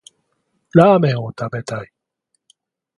ラーメンを食べたい